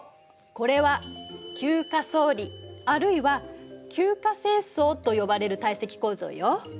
これは級化層理あるいは級化成層と呼ばれる堆積構造よ。